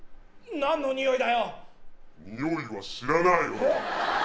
何のにおいだ